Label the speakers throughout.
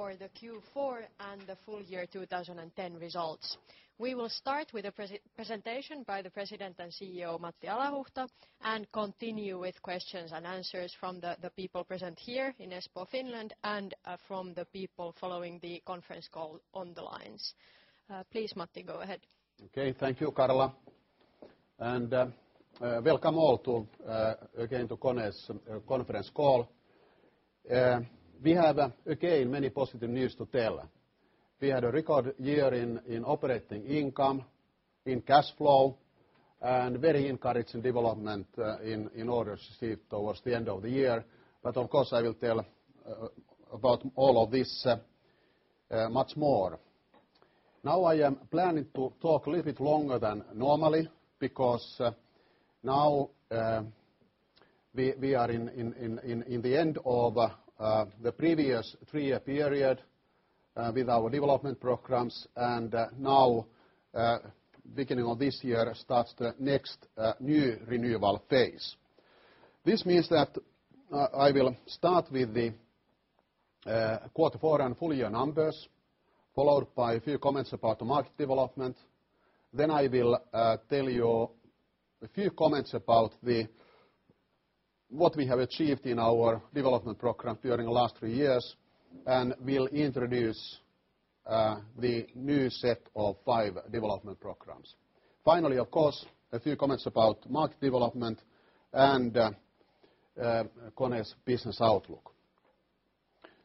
Speaker 1: For the Q4 and the full year twenty ten results. We will start with a presentation by the President and CEO, Matti Allahuchta, and continue with questions and answers from the people present here in Espoo Finland and from the people following the conference call on the lines. Please, Matti, go ahead.
Speaker 2: Okay. Thank you, Carla, and welcome all to again to KONE's conference call. We have, again, many positive news to tell. We had a record year in operating income, in cash flow and very encouraging development in order to see it towards the end of the year. But of course, I will tell about all of this much more. Now I am planning to talk a little bit longer than normally because now we are in the end of the previous 3 year period with our development programs and now beginning of this year starts the next new renewable phase. This means that I will start with the quarter 4 and full year numbers, followed by a few comments about the market development. Then I will tell you a few comments about the what we have achieved in our development program during the last few years, and we'll introduce the new set of 5 development programs. Finally, of course, a few comments about market development and KONE's business outlook.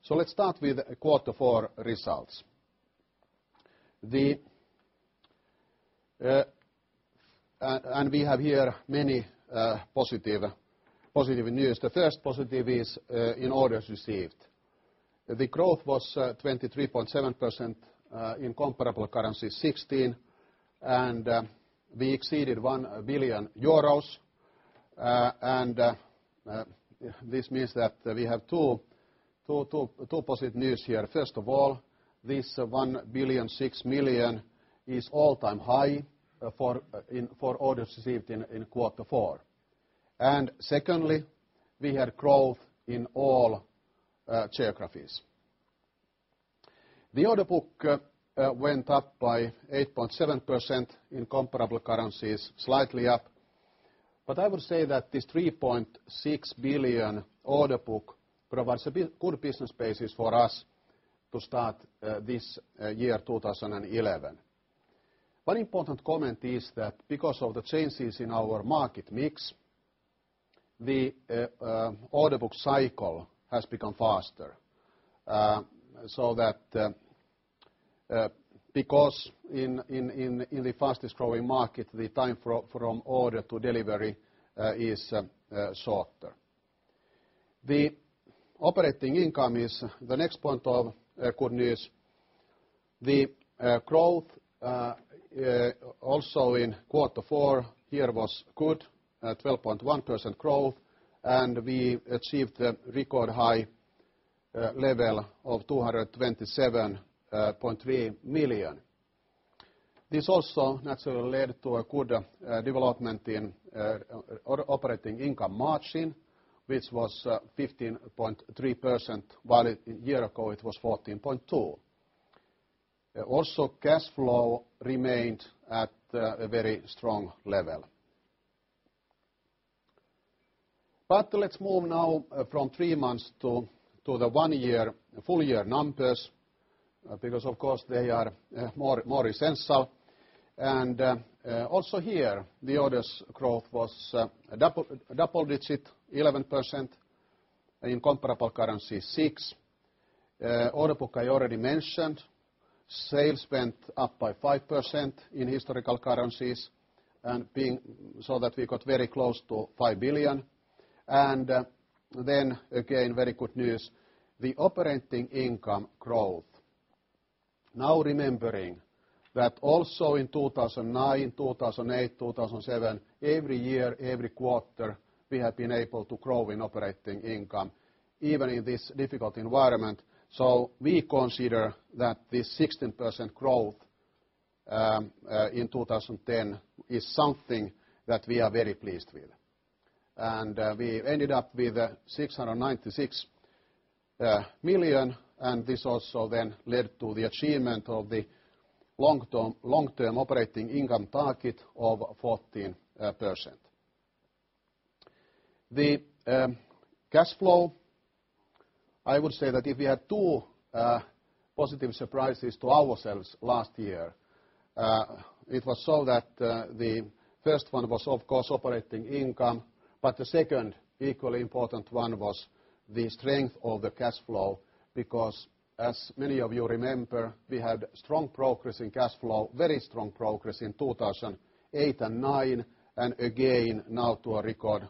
Speaker 2: So let's start with quarter 4 results. And we have here many positive news. The first positive is in orders received. The growth was 23.7 percent in comparable currency 16, and we exceeded €1,000,000,000 and this means that we have 2 positive news here. First of all, this 1,600,000,000 is all time high for orders received in quarter 4. And secondly, we had growth in all geographies. The order book went up by 8.7% in comparable currencies, slightly up. But I will say that this 3 point €6,000,000,000 order book provides a good business basis for us to start this year 2011. One important comment is that because of the changes in our market mix, the order book cycle has become faster. So that because in the fastest growing market, the time from order to delivery is shorter. The operating income is the next point of good news. The growth also in quarter 4 here was good, 12.1% growth, and we achieved a record high level of 227,300,000. This also naturally led to a good development in operating income margin, which was 15.3%, while a year ago, it was 14.2%. Also, cash flow remained at a very strong level. But let's move now from 3 months to the 1 year full year numbers because, of course, they are more essential. And also here, the orders growth was double digit, 11%, and in comparable currency, 6. Percent. Oropuk, I already mentioned, sales went up by 5% in historical currencies and being so that we got very close to 5,000,000,000 And then again, very good news, the operating income growth. Now remembering that also in 2,009, 2,008, 2,007, every year, every quarter, we have been able to grow in operating income even in this difficult environment. So we consider that this 16% growth in 2010 is something that we are very pleased with. And we ended up with 696 1,000,000, and this also then led to the achievement of the long term operating income target of 14%. The cash flow, I would say that if we had 2 positive surprises to ourselves last year, it was so that the first one was, of course, operating income, but the second equally important one was the strength of the cash flow because as many of you remember, we had strong progress in cash flow, very strong progress in 2,008 'nine and again, now to a record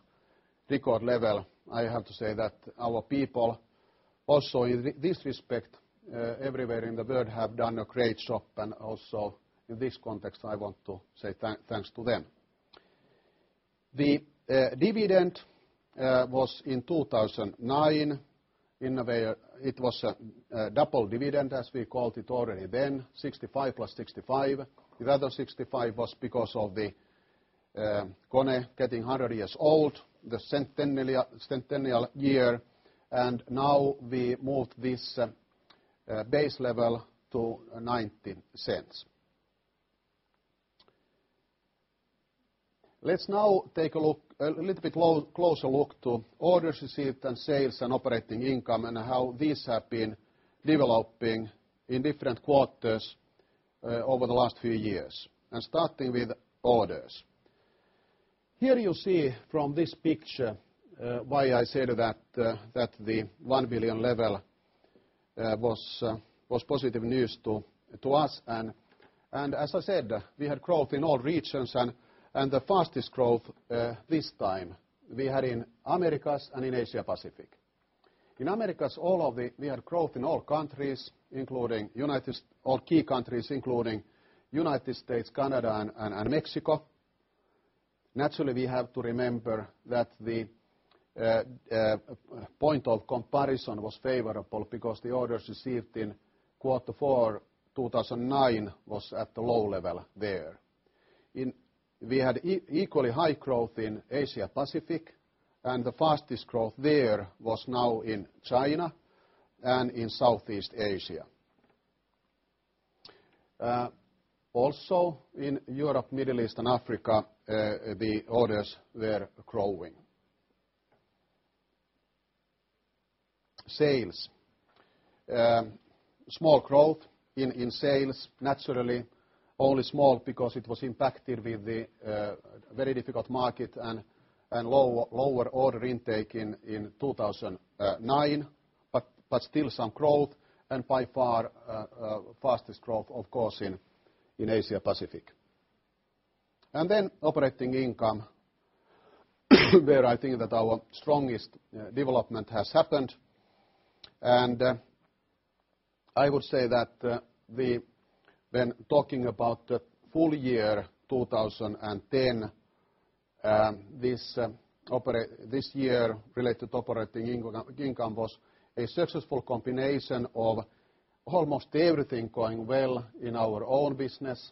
Speaker 2: level, I have to say that our people also in this respect, everywhere in the world have done a great job. And also in this context, I want to say thanks to them. The dividend was in 2,009 In a way, it was a double dividend, as we called it already then, 65 plus 65. Rather, 65 was because of the KONE getting 100 years old, the centennial year. And now we moved this base level to Let's now take a look a little bit closer look to orders received and sales and operating income and how these have been developing in different quarters over the last few years. And starting with orders. Here you see from this picture why I said that the 1 billion level was positive news to us. And as I said, we had growth in all regions. And the fastest growth this time, we had in Americas and in Asia Pacific. In Americas, all of the we had growth in all countries, including United all key countries, including United States, Canada and Mexico. Naturally, we have to remember that the point of comparison was favorable because the orders received in quarter 4, 2009 was at the low level there. We had equally high growth in Asia Pacific, and the fastest growth there was now in China and in Southeast Asia. Also in Europe, Middle East and Africa, the orders were growing. Sales. Small growth in sales, naturally, only small because it was impacted with the very difficult market and lower order intake in 2,009, but still some growth and by far fastest growth, of course, in Asia Pacific. And then operating income, where I think that our strongest development has happened. And I would say that we when talking about the full year 2010, this year related to operating income was a successful combination of almost everything going well in our own business,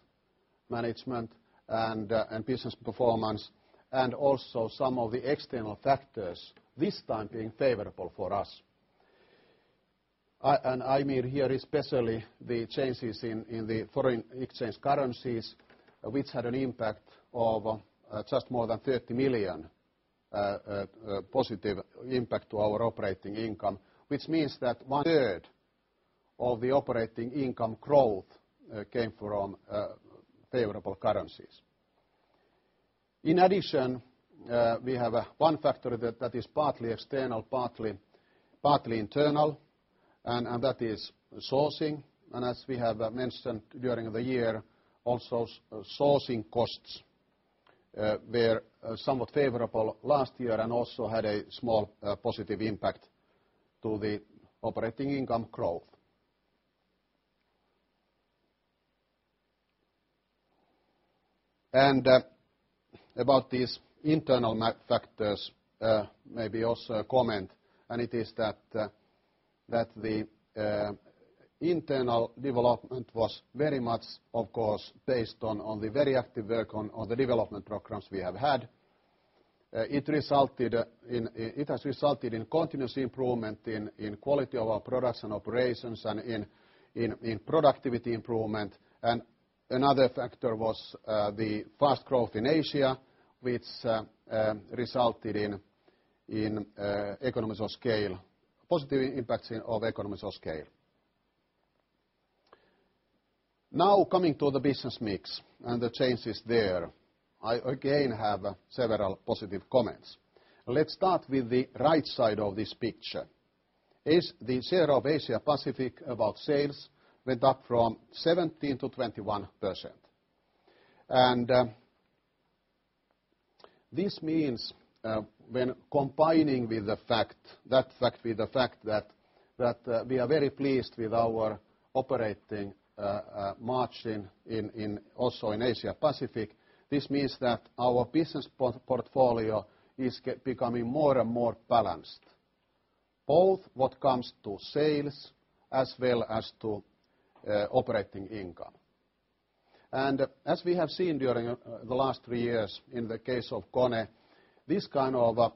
Speaker 2: management and business performance and also some of the external factors, this time being favorable for us. And I'm here especially the changes in the foreign exchange currencies, which had an impact of just more than 30,000,000 positive impact to our operating income, which means that onethree of the operating income growth came from favorable currencies. In addition, we have one factor that is partly external, partly internal, and that is sourcing. And as we have mentioned during the year, also sourcing costs were somewhat favorable last year and also had a small positive impact to the operating income growth. And about these internal factors, maybe also comment, and it is that the internal development was very much, of course, based on the very active work on the development programs we have had. It resulted in it has resulted in continuous improvement in quality of our products and operations and in productivity improvement. And another factor was the fast growth in Asia, which resulted in economies of scale positive impacts of economies of scale. Now coming to the business mix and the changes there. I again have several positive comments. Let's start with the right side of this picture. The share of Asia Pacific about sales went up from 17% to 21%. And this means when combining with the fact that fact with the fact that we are very pleased with our operating margin in also in Asia Pacific, this means that our business portfolio is becoming more and more balanced, both what comes to sales as well as to operating income. And as we have seen during the last 3 years in the case of KONE, this kind of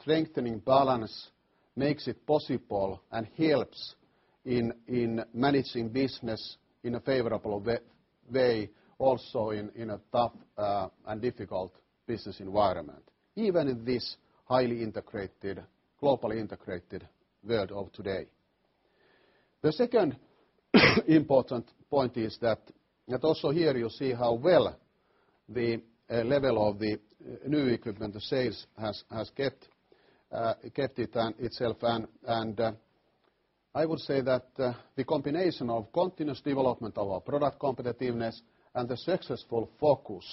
Speaker 2: strengthening balance makes it possible and helps in managing business in a favorable way also in a tough and difficult business environment, even in this highly integrated globally integrated world of today. The second important point is that also here you see how well the level of the new equipment sales has kept it and itself. And I will say that the combination of continuous development of our product competitiveness and the successful focus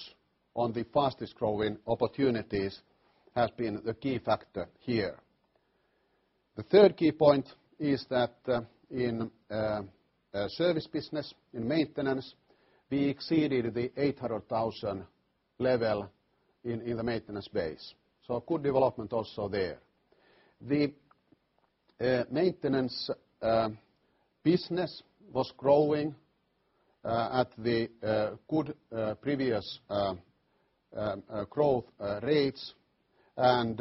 Speaker 2: on the fastest growing opportunities has been the key factor here. The 3rd key point is that in service business, in maintenance, we exceeded the 800,000 level in the maintenance base. So good development also there. The maintenance business was growing at the good previous growth rates and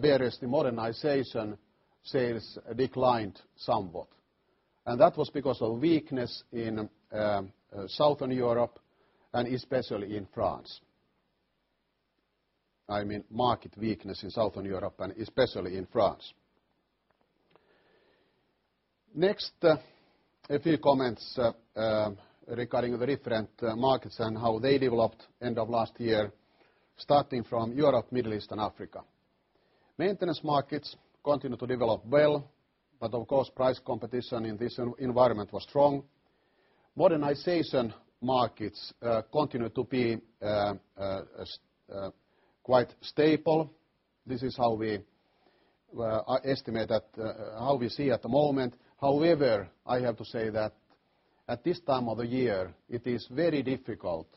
Speaker 2: whereas the modernization sales declined somewhat. And that was because of weakness in Southern Europe and especially in France I mean, market weakness in Southern Europe and especially in France. Next, a few comments regarding the different markets and how they developed end of last year, starting from Europe, Middle East and Africa. Maintenance markets continue to develop well, but of course, price competition in this environment was strong. Modernization markets continue to be quite stable. This is how we estimate that how we see at the moment. However, I have to say that at this time of the year, it is very difficult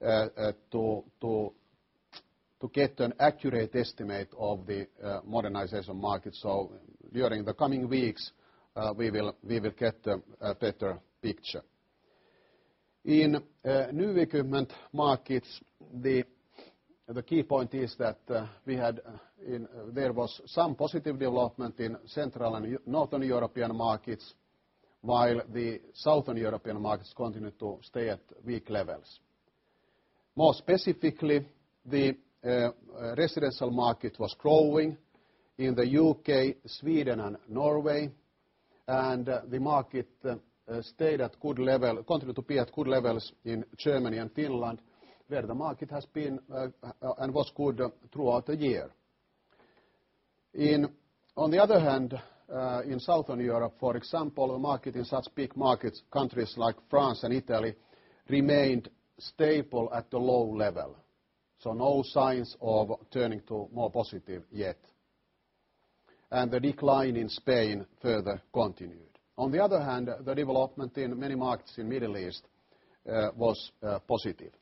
Speaker 2: to get an accurate estimate of the modernization market. So during the coming weeks, we will get a better picture. In new equipment markets, the key point is that we had there was some positive development in Central and Northern European markets, while the Southern European markets continue to stay at weak levels. More specifically, the residential market was growing in the U. K, Sweden and Norway, And the market stayed at good level continued to be at good levels in Germany and Finland, where the market has been and was good throughout the year. On the other hand, in Southern Europe, for example, market in such big markets, countries like France and Italy, remained stable at the low level. So no signs of turning to more positive yet. And the decline in Spain further continued. On the other hand, the development in many markets in Middle East was positive.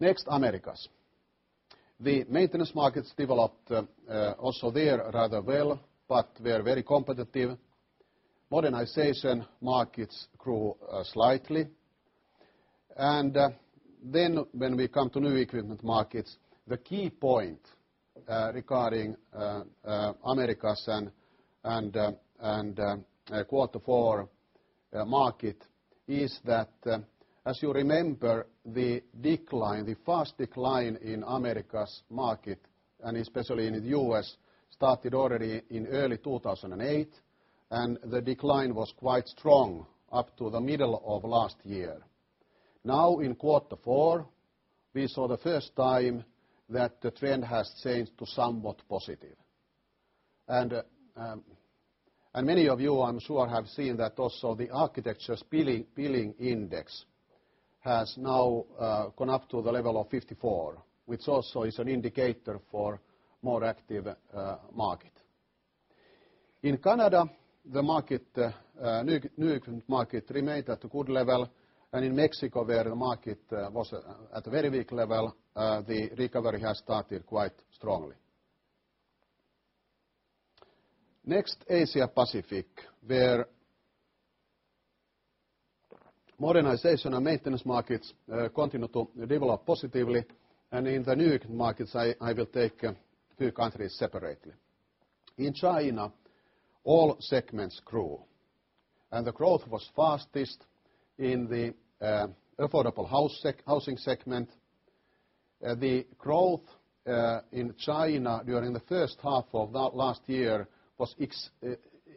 Speaker 2: Next, Americas. The maintenance markets developed also there rather well, but they are very competitive. Modernization markets grew slightly. And then when we come to new equipment markets, the key point regarding Americas and quarter 4 market is that, as you remember, the decline, the fast decline in Americas market and especially in the U. S, started already in early 2,008, and the decline was quite strong up to the middle of last year. Now in quarter 4, we saw the first time that the trend has changed to somewhat positive. And many of you, I'm sure, have seen that also the architectures billing index has now gone up to the level of 54, which also is an indicator for more active market. In Canada, the market nukewarm market remained at a good level. And in Mexico, where the market was at a very weak level, the recovery has started quite strongly. Next, Asia Pacific, where modernization and maintenance markets continue to develop positively. And in the new markets, I will take 2 countries separately. In China, all segments grew, and the growth was fastest in the affordable housing segment. The growth in China during the first half of last year was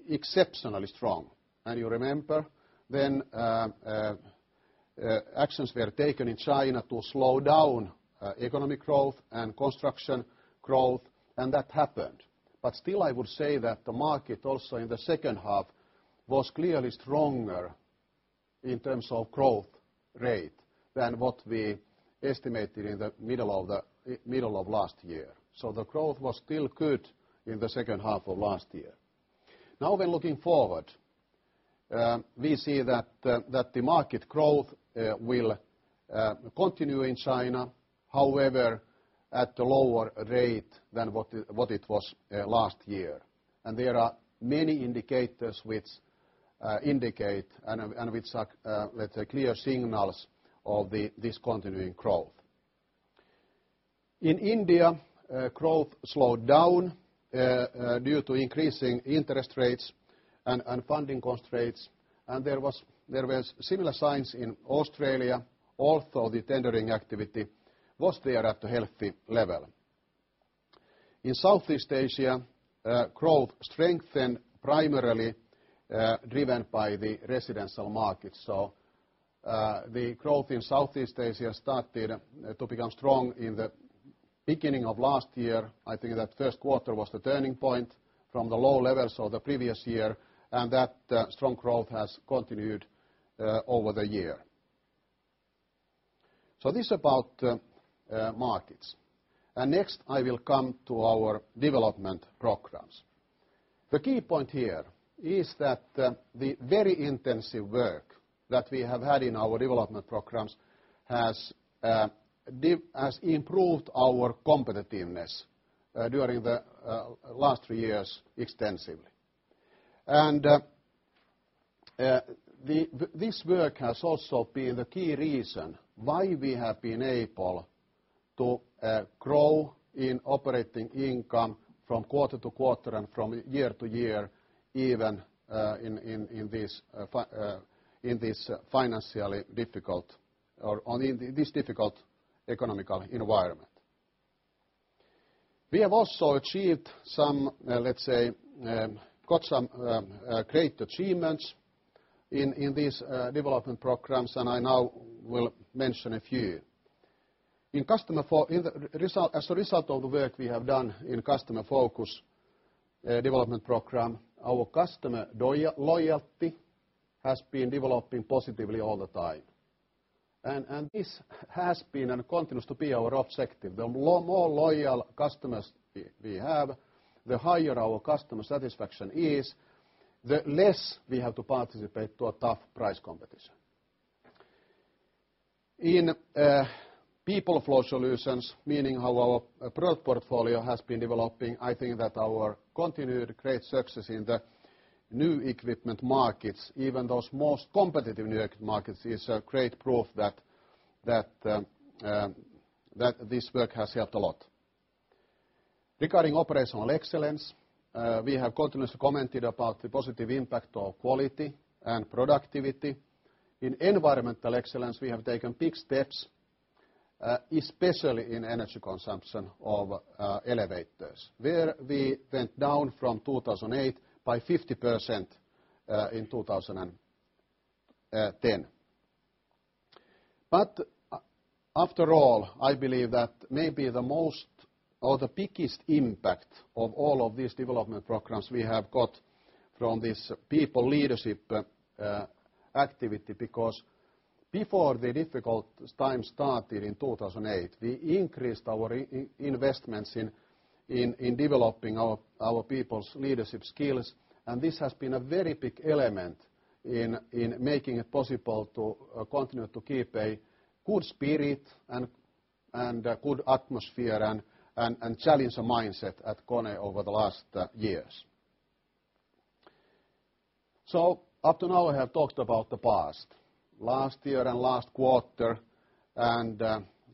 Speaker 2: exceptionally strong. And you remember, when actions were taken in China to slow down economic growth and construction growth, and that happened. But still, I would say that the market also in the second half was clearly stronger in terms of growth rate than what we estimated in the middle of last year. So the growth was still good in the second half of last year. Now when looking forward, we see that the market growth will continue in China, however, at a lower rate than what it was last year. And there are many indicators which indicate and which are, let's say, clear signals of the discontinuing growth. In India, growth slowed down due to increasing interest rates and funding constraints, and there was similar signs in Australia, although the tendering activity was there at a healthy level. In Southeast Asia, growth strengthened primarily driven by the residential markets. So the growth in Southeast Asia started to become strong in the beginning of last year. I think that Q1 was the turning point from the low levels of the previous year, and that strong growth has continued over the year. So this is about markets. And next, I will come to our development programs. The key point here is that the very intensive work that we have had in our development programs has improved our competitiveness during the last 3 years extensively. And this work has also been the key reason why we have been able to grow in operating income from quarter to quarter and from year to year, even in this financially difficult or in this difficult economical environment. We have also achieved some, let's say, got some great achievements in these development programs, and I now will mention a few. In customer as a result of the work we have done in customer focus development program, our customer loyalty has been developing positively all the time. And this has been and continues to be our objective. The more loyal customers we have, the higher our customer satisfaction is, the less we have to participate to a tough price competition. In People Flow Solutions, meaning how our product portfolio has been developing, I think that our continued great success in the new equipment markets, even those most competitive new equipment markets, is a great proof that this work has helped a lot. Regarding operational excellence, we have continuously commented about the positive impact of quality and productivity. In environmental excellence, we have taken big steps, especially in energy consumption of elevators, where we went down from 2,008 by 50% in 2010. But after all, I believe that maybe the most or the biggest impact of all of these development programs we have got from this people leadership activity because before the difficult time started in 2,008, we increased our investments in developing our people's leadership skills, and this has been a very big element in making it possible to continue to keep a good spirit and a good atmosphere and challenge and mindset at KONE over the last years. So up to now, I have talked about the past. Last year and last quarter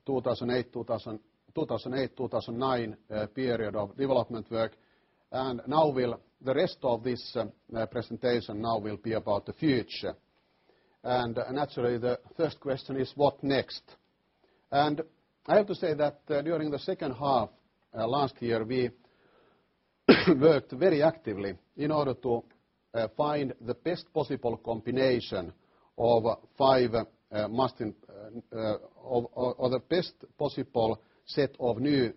Speaker 2: 2008, 2009 period of development work. And now will the rest of this presentation now will be about the future. And naturally, the first question is what next? And I have to say that during the second half last year, we worked very actively in order to find the best possible combination of 5 Mustang or the best possible set of new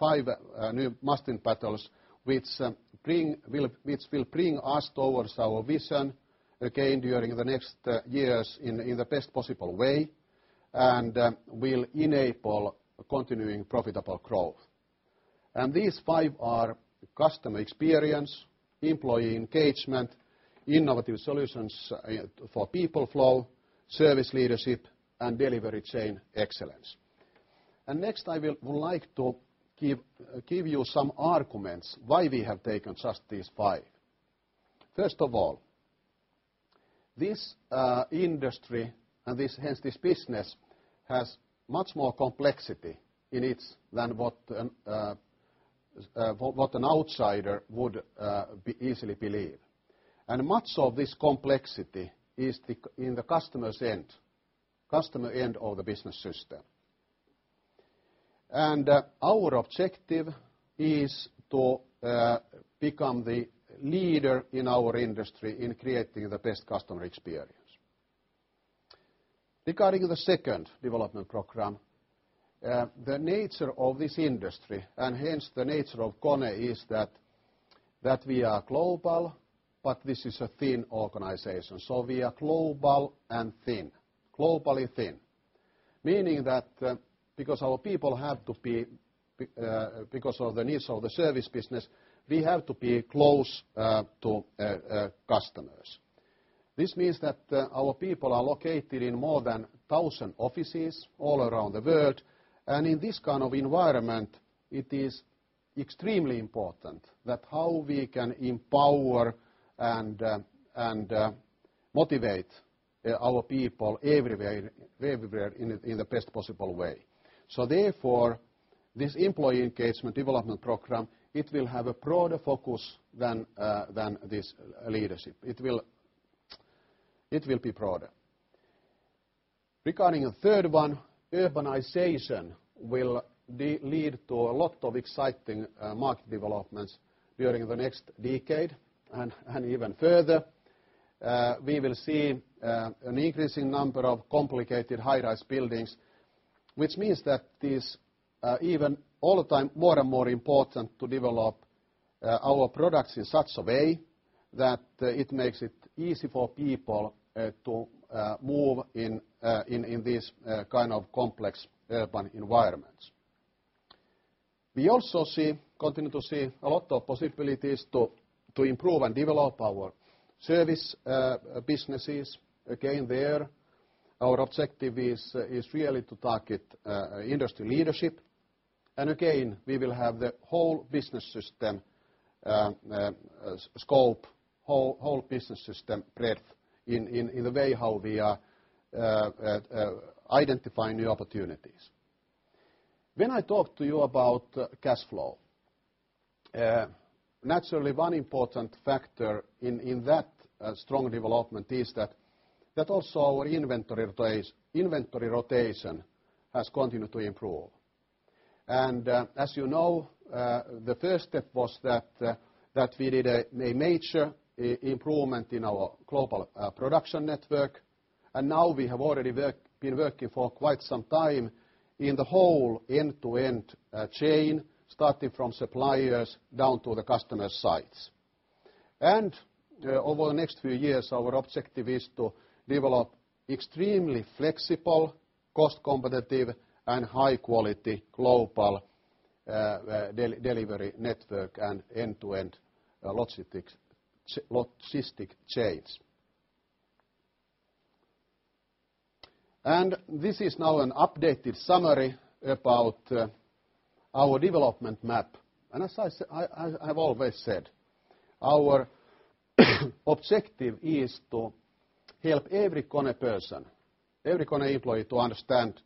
Speaker 2: 5 new Mustang battles, which will bring us towards our vision again, during the next years in the best possible way and will enable continuing profitable growth. And these 5 are customer experience, employee engagement, innovative solutions for people flow, service leadership and delivery chain excellence. And next, I would like to give you some arguments why we have taken just these 5. First of all, this industry and hence, this business has much more complexity in its than what an outsider would easily believe. And much of this complexity is in the customer's end customer end of the business system. And our objective is to become the leader in our industry in creating the best customer experience. Regarding the 2nd development program, the nature of this industry and hence the nature of KONE is that we are global, but this is a thin organization. So we are global and thin, globally thin, meaning that because our people have to be because of the needs of the service business, we have to be close to customers. This means that our people are located in more than 1,000 offices all around the world. And in this kind of environment, it is extremely important that how we can empower and motivate our people everywhere in the best possible way. So therefore, this employee engagement development program, it will have a broader focus than this leadership. It will be broader. Regarding a third one, urbanization will lead to a lot of exciting market developments during the next decade and even further. We will see an increasing number of complicated high rise buildings, which means that this even all the time more and more important to develop our products in such a way that it makes it easy for people to move in this kind of complex urban environments. We also see continue to see a lot of possibilities to improve and develop our service businesses. Again, there, Our objective is really to target industry leadership. And again, we will have the whole business system scope, whole business system breadth in the way how we are identifying new opportunities. When I talk to you about cash flow, naturally, one important factor in that strong development is that also our inventory rotation has continued to improve. And as you know, the first step was that we did a major improvement in our global production network. And now we have already been working for quite some time in the whole end to end chain, starting from suppliers down to the customer sites. And over the next few years, our objective is to develop extremely flexible, cost competitive and high quality global delivery network and end to end logistic chains. And this is now an updated summary about our development map. And as I have always said, our objective is to help every KONE person, every KONE employee to understand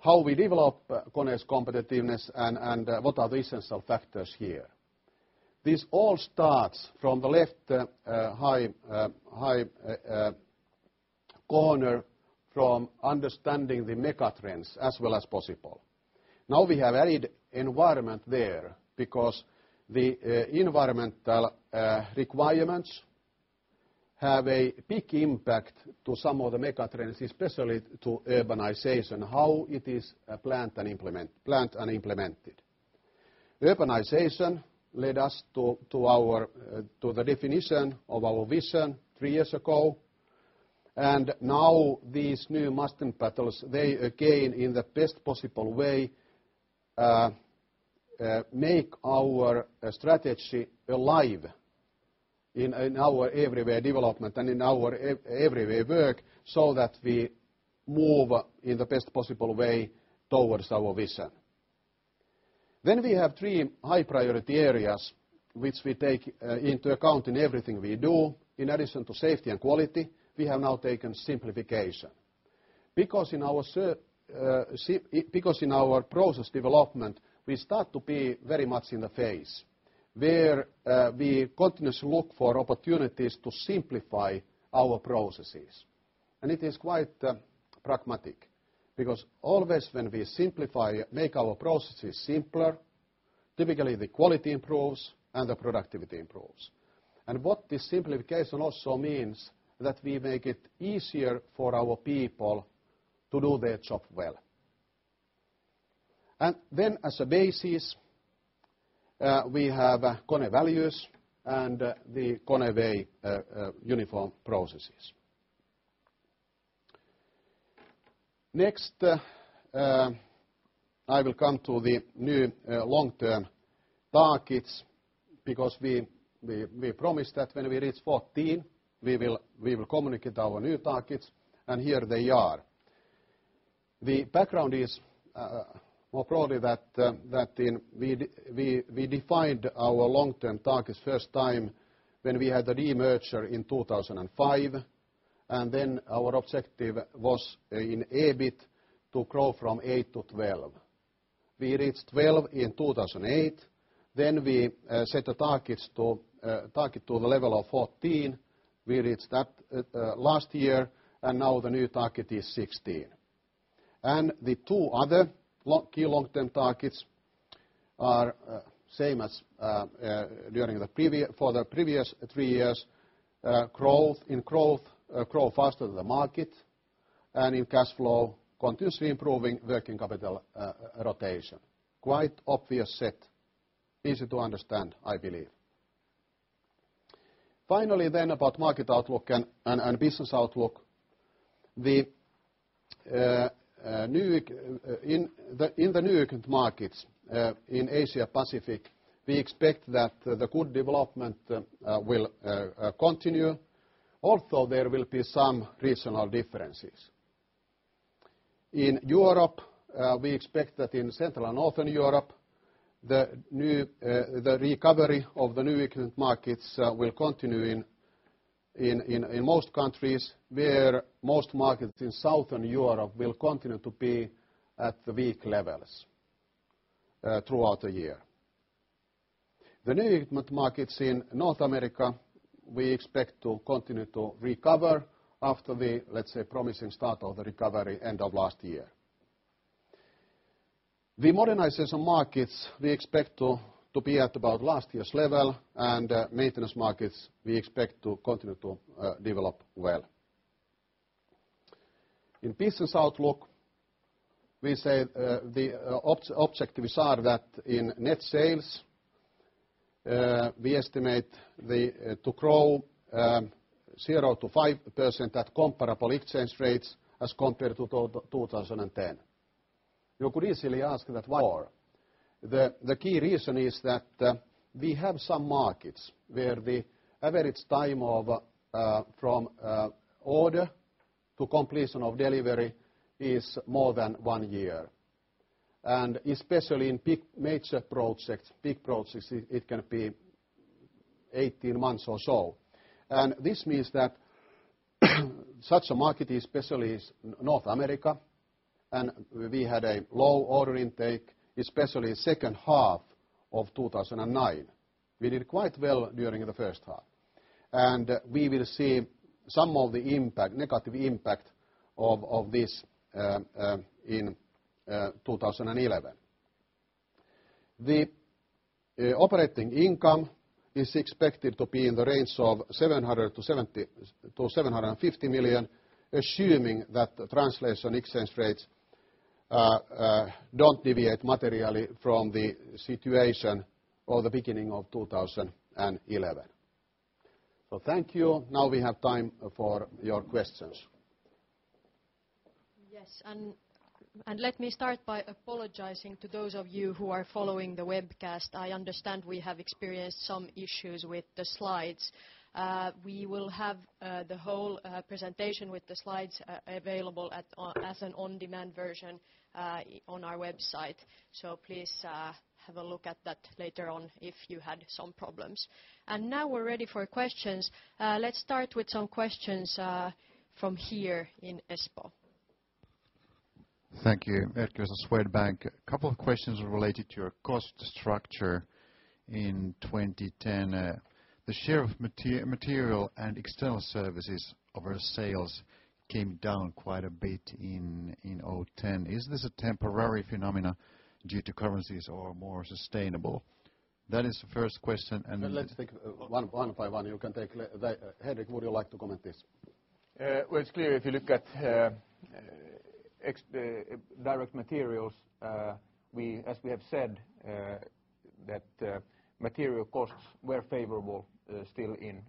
Speaker 2: how we develop KONE's competitiveness and what are the essential factors here. This all starts from the left high corner from understanding the megatrends as well as possible. Now we have added environment there because the environmental requirements have a big impact to some of the megatrends, especially to urbanization, how it is planned and implemented. Urbanization led us to our to the definition of our vision 3 years ago. And now these new in our everywhere development and in our everywhere work so that we move in the best possible way towards our vision. Then we have 3 high priority areas, which we take into account in everything we do. In addition to safety and quality, we have now taken simplification. Because in our process development, we start to be very much in the phase where we continuously look for opportunities to simplify our processes. And it is quite pragmatic because always when we simplify, make our processes simpler, typically the quality improves and the productivity improves. And what this simplification also means that we make it easier for our people to do their job well. And then as a basis, we have KONE values and the KONE Way Uniform Processes. Next, I will come to the new long term targets because we promised that when we reach 14, we will communicate our new targets, and here they are. The background is more broadly that we defined our long term targets first time when we had the remerger in 2,005. And then our objective was in EBIT to grow from 8 to 12. We reached 12 in 2,008. Then we set the targets to target to the level of 14. We reached that last year, and now the new target is 16. And the 2 other key long term targets are same as during the for the previous 3 years, growth in growth grow faster than the market and in cash flow, continuously improving working capital rotation. Quite obvious set, easy to understand, I believe. Finally, then about market outlook and business outlook. The new in the new markets in Asia Pacific, we expect that the good development will continue, although there will be some regional differences. In Europe, we expect that in Central and Northern Europe, the recovery of the new equipment markets will continue in most countries where most markets in Southern Europe will continue to be at the weak levels throughout the year. The new equipment markets in North America, we expect to continue to recover after the, let's say, promising start of the recovery end of last year. The modernization markets, we expect to be at about last year's level. And maintenance markets, we expect to continue to develop well. In business outlook, we say the objectives are that in net sales, we estimate to grow 0% to 5% at comparable exchange rates as compared to 2010. You could easily ask that why. The key reason is that we have some markets where the average time of from order to completion of delivery is more than 1 year. And especially in big major projects, big projects, it can be 18 months or so. And this means that such a market, especially in North America, and we had a low order intake, especially second half of 2,009. We did quite well during the first half. And we will see some of the impact negative impact of this in 2011. The operating income is expected to be in the range of 700,000,000 to 750,000,000, assuming that the translation exchange rates don't deviate materially from the situation of the beginning of 2011. So thank you. Now we have time for your questions.
Speaker 1: Yes. And let me start by apologizing to those of you who are following the webcast. I understand we have experienced some issues with the slides. We will have the whole presentation with the slides available as an on demand version on our website. So please have a look at that later on if you had some problems. And now we're ready for questions. Let's start with some questions from here in Espoo.
Speaker 3: Thank you. Edkos of Swedbank. A couple of questions related to your cost structure in 2010. The share of material and external services of our sales came down quite a bit in 'ten. Is this a temporary phenomenon due to currencies or more sustainable? That is the first question.
Speaker 2: And then Let's take 1, 51, you can take. Henrik, would you like to comment this?
Speaker 4: Well, it's clear if you look at direct materials, we as we have said, that material costs were favorable still in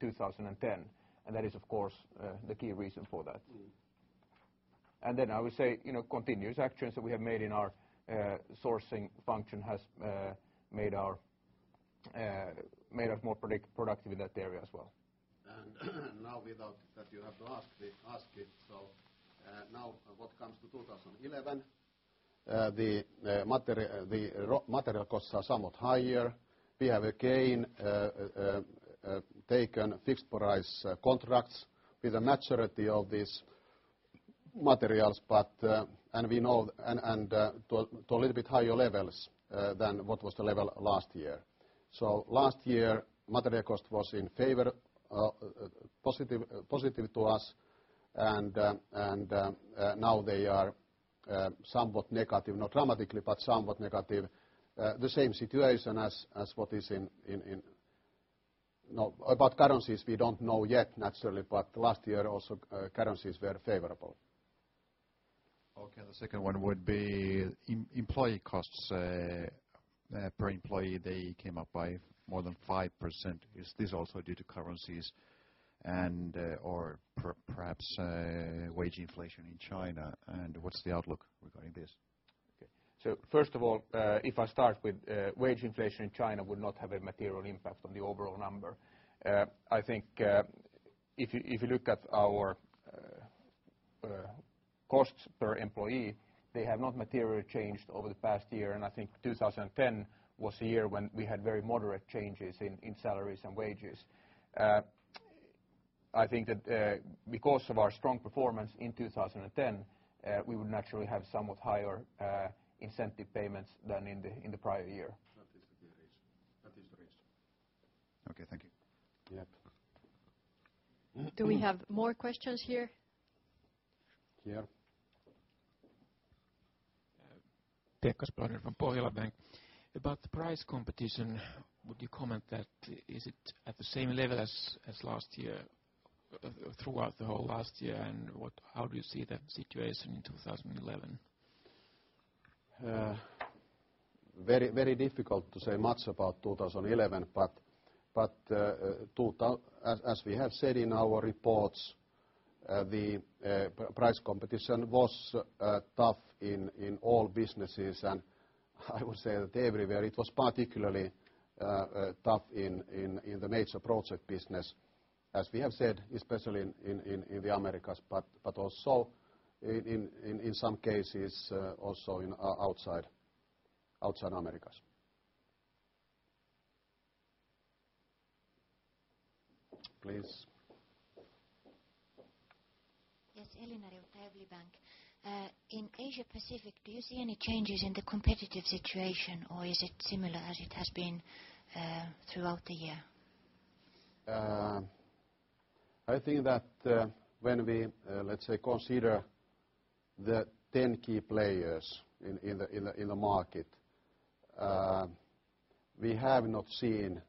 Speaker 4: 2010, and that is, of course, the key reason for that. And then I would say continuous actions that we have made in our sourcing function has made our made us more productive in that area as well.
Speaker 2: And now without that you have to ask it. So now what comes to 2011? The material costs are somewhat higher. We have again taken fixed price contracts with a maturity of these materials, but and we know and to a little bit higher levels than what was the level last year. So last year, Matarekost was in favor, positive to us, And now they are somewhat negative, not dramatically, but somewhat negative. The same situation as what is in about currencies, we don't know yet naturally, but last year also currencies were favorable. Okay.
Speaker 3: The second one would be employee costs per employee, they came up by more than 5%. Is this also due to currencies and or perhaps wage inflation in China? And what's the outlook regarding this?
Speaker 4: Okay. So first of all, if I start with wage inflation in China would not have a material impact on the overall number. I think if you look at our costs per employee, they have not materially changed over the past year, and I think 2010 was a year when we had very moderate changes in salaries and wages. I think that because of our strong performance in 2010, we would naturally have somewhat higher incentive payments than in the prior year.
Speaker 3: Okay. Thank you. Yes.
Speaker 1: Do we have more questions here?
Speaker 2: Yes.
Speaker 5: Tekas Brannen from Porgerlab Bank. About the price competition, would you comment that is it at the same level as last year throughout the whole last year? And what how do you see that situation in 2011?
Speaker 2: Very difficult to say much about 2011. But as we have said in our reports, the price competition was tough in all businesses. And I would say that everywhere, it was particularly tough in the major project business, as we have said, especially in the Americas, but also in some cases also in outside Americas. Please.
Speaker 6: Yes. Elinari of Air Liquibank. In Asia Pacific, do you see any changes in the competitive situation? Or is it similar as it has been throughout the year?
Speaker 2: I think that when we, let's say, consider the 10 key players in the market, we have not seen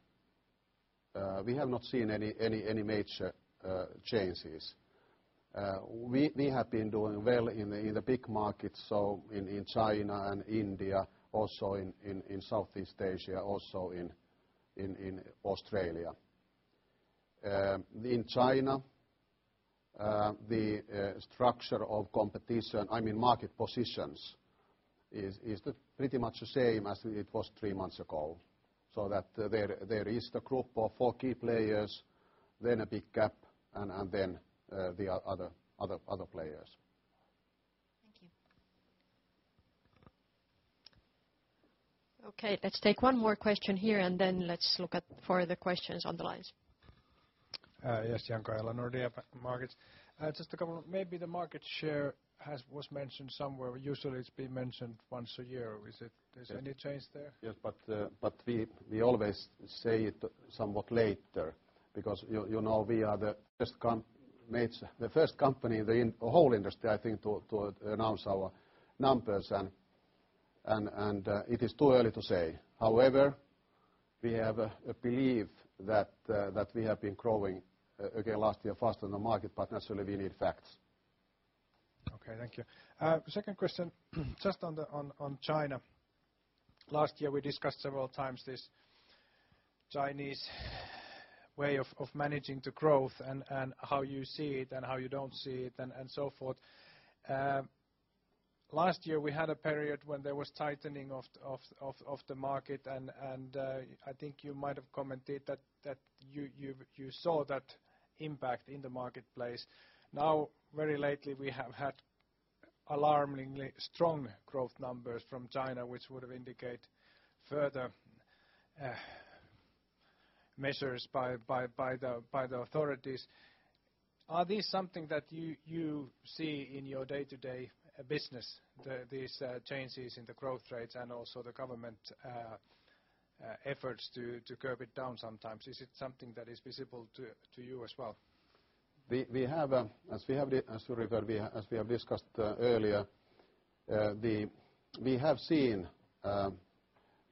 Speaker 2: any major changes. We have been doing well in the big markets, so in China and India, also in Southeast Asia, also in Australia. In China, the structure of competition I mean, market positions is pretty much the same as it was 3 months ago. So that there is the group of 4 key players, then a big gap and then the other players.
Speaker 1: Okay. Let's take one more question here and then let's look at further questions on the lines.
Speaker 7: Yes. Jan Koehler, DNB Markets. Just a couple of maybe the market share has was mentioned somewhere. Usually, it's been mentioned once a year. Is there any change there?
Speaker 2: Yes. But we always say it somewhat later because we are the best company in the whole industry, I think, to announce our numbers, and it is too early to say. However, we have a belief that we have been growing, again, last year faster than the market, but naturally, we need facts.
Speaker 7: Okay. Thank you. Second question, just on China. Last year, we discussed several times this Chinese way of managing the growth and how you see it and how you don't see it and so forth. Last year, we had a period when there was tightening of the market, and I think you might have commented that you saw that impact in the marketplace. Now very lately, we have had alarmingly strong growth numbers from China, which would have indicate further measures by the authorities. Are these something that you see in your day to day business, these changes in the growth rates and also the government efforts to curb it down sometimes? Is it something that is visible to you as
Speaker 2: well? We have as we have as we have discussed earlier, we have seen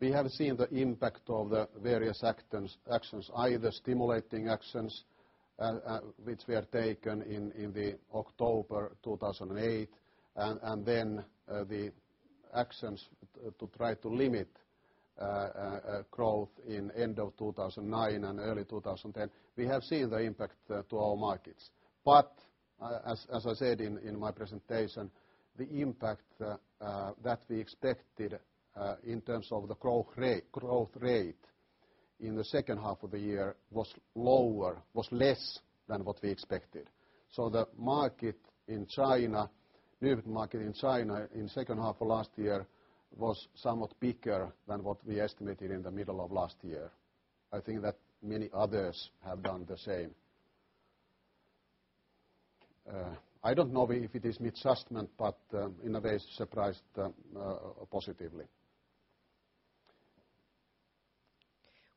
Speaker 2: the impact of the various actions, either stimulating actions, which were taken in the October 2008 and then the actions to try to limit growth in end of 2009 early 2010, we have seen the impact to all markets. But as I said in my presentation, the impact that we expected in terms of the growth rate in the second half of the year was lower was less than what we expected. So the market in China new market in China in second half of last year was somewhat bigger than what we estimated in the middle of last year. I think that many others have done the same. I don't know if it is mid-segment, but in a way, surprised positively.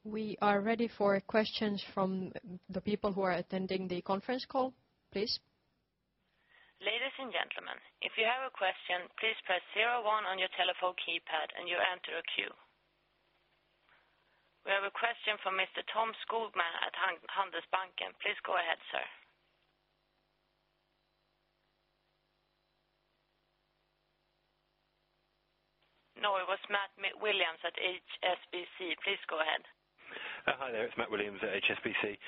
Speaker 1: We are ready for questions from the people who are attending the conference call. Please.
Speaker 8: We have a question from Mr. Tom Schuldman at Handelsbanken. Please go ahead, sir. No, it was Matt Williams at HSBC. Please go ahead.
Speaker 9: Hi, there. It's Matt Williams at HSBC.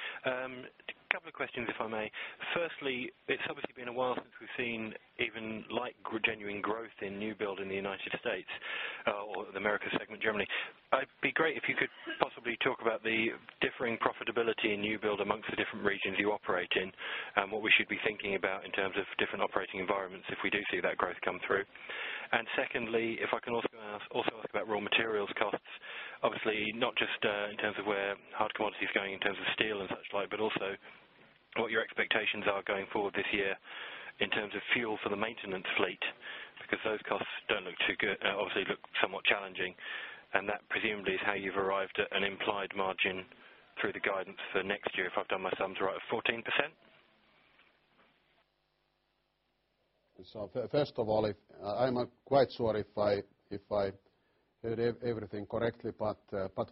Speaker 10: A couple of questions, if
Speaker 9: I may. Firstly, it's obviously been a while since we've seen even light or genuine growth in newbuild in the United States or the Americas segment, Germany. It'd be great if you could possibly talk about the differing profitability in Newbuild amongst the different regions you operate in and what we should be thinking about in terms of different operating environments if we do see that growth come through. And secondly, if I can also ask about raw materials costs. Obviously, not just in terms of where hard commodity is going in terms of steel and such like, but also what your expectations are going forward this year in terms of fuel for the maintenance fleet because those costs don't look too good, obviously look somewhat challenging. And that presumably is how you've arrived at an implied margin through the guidance for next year, if I've done my sums right, of 14%.
Speaker 2: So first of all, I'm quite sorry if I read everything correctly. But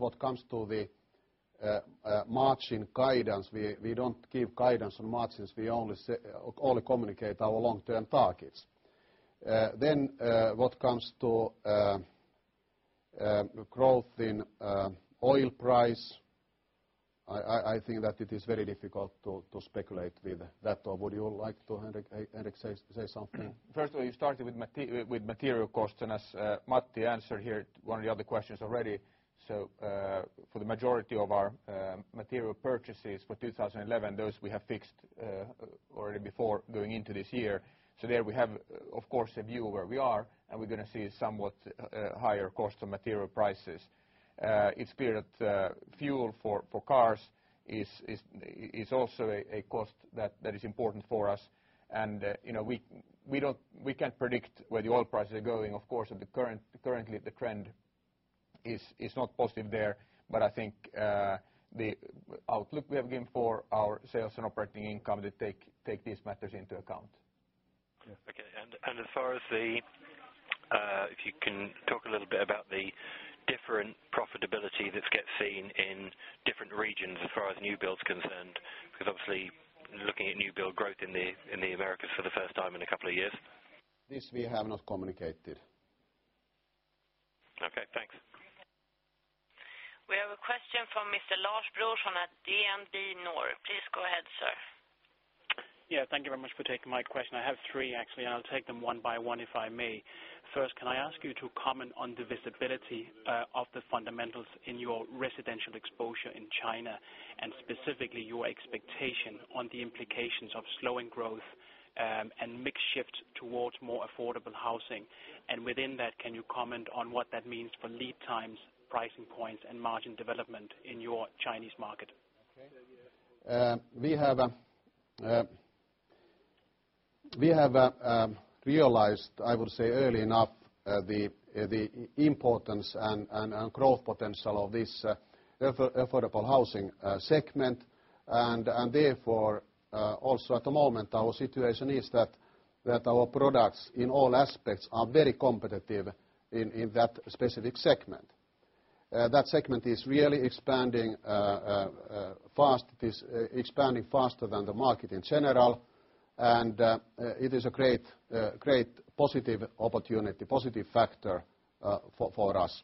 Speaker 2: what comes to the margin guidance, we don't give guidance on margins. We only communicate our long term targets. Then what comes to growth in oil price, I think that it is very difficult to speculate with that. Would you like to, Henrik, say something?
Speaker 4: First of all, you started with material costs. And as Matti answered here one of the other questions already, so for the majority of our material purchases for 2011, those we have fixed already before going into this year. So there we have, of course, a view of where we are, and we're going to see somewhat higher cost of material prices. It's clear that fuel for cars is also a cost that is important for us. And we don't we can't predict where the oil prices are going, of course, and currently, the trend is not positive there. But I think the outlook we have given for our sales and operating income, they take these matters into account.
Speaker 9: Okay. And as far as the if you can talk a little bit about the different profitability that gets seen in different regions as far as newbuild is concerned? Because obviously, looking at newbuild growth in the Americas for the first time in a couple of years.
Speaker 2: This, we have not communicated.
Speaker 11: Okay. Thanks.
Speaker 8: We have a question from Mr. Lars Blushon at DMD. Noord. Please go ahead, sir.
Speaker 12: I have 3 actually. I'll take them 1 by 1, if I may. First, can I ask you to comment on the visibility of the fundamentals in your residential exposure in China and specifically your expectation on the implications of slowing growth and mix shift towards more affordable housing? And within that, can you comment on what that means for lead times, pricing points and margin development in your Chinese market?
Speaker 2: We have realized, I would say, early enough the importance and growth potential of this affordable housing segment. And therefore, also at the moment, our situation is that our products in all aspects are very competitive in that specific segment. That segment is really expanding fast. It is expanding faster than the market in general, and it is a great positive opportunity, positive factor for us.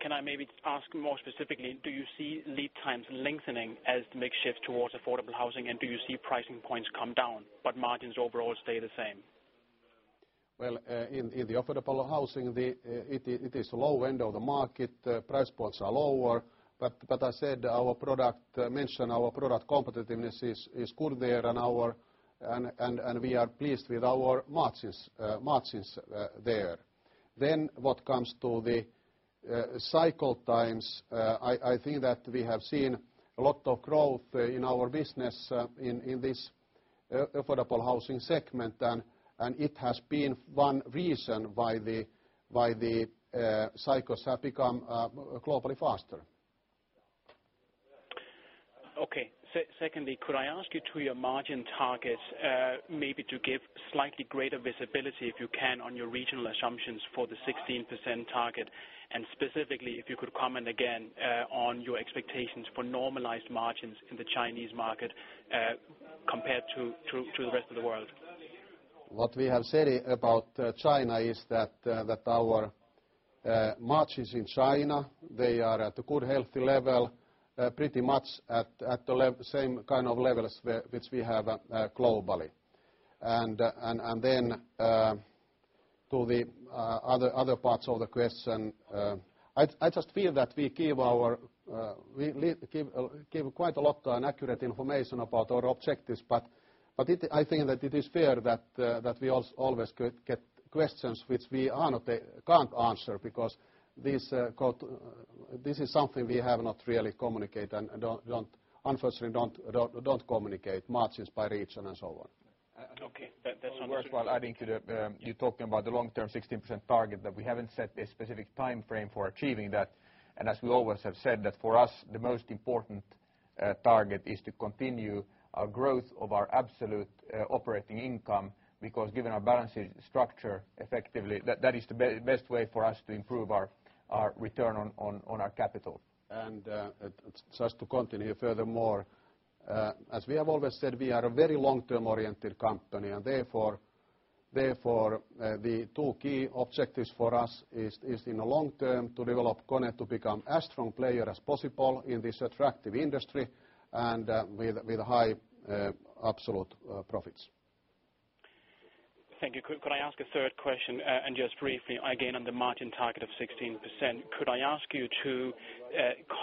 Speaker 12: Can I maybe ask more specifically, do you see lead times lengthening as the mix shift towards affordable housing? And do you see pricing points come down, but margins overall stay the same?
Speaker 2: Well, in the affordable housing, it is low end of the market. Price points are lower. But as I said, our product mentioned our product competitiveness is good there, and our and we are pleased with our margins there. Then what comes to the cycle times, I think that we have seen a lot of growth in our business in this affordable housing segment, and it has been one reason why the cycles have become globally faster.
Speaker 12: Okay. Secondly, could I ask you to your margin targets maybe to give slightly greater visibility, if you can, on your regional assumptions for the 16% target? And specifically, if you could comment again on your expectations for normalized margins in the Chinese market compared to the rest of the world?
Speaker 2: What we have said about China is that our margins in China, they are at a good healthy level, pretty much at the same kind of levels which we have globally. And then to the other parts of the question, I just feel that we give our we give quite a lot of accurate information about our objectives, but I think that it is fair that we always get questions which we can't answer because this is something we have not really communicate and unfortunately, don't communicate margins by region and so on.
Speaker 13: First of
Speaker 4: all, I think you're talking about the long term 16% target that we haven't set a specific time frame for achieving that. And as we always have said that for us, the most important target is to continue our growth of our absolute operating income because given our balance sheet structure effectively, that is the best way for us to improve our return on our capital.
Speaker 2: And just to continue furthermore, as we have always said, we are a very long term oriented company. And therefore, the 2 key objectives for us is in the long term to develop KONE to become as strong player as possible in this attractive industry and with high absolute profits.
Speaker 12: Could I ask a third question? And just briefly, again, on the margin target of 16%, could I ask you to